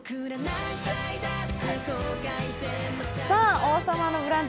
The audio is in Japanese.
「王様のブランチ」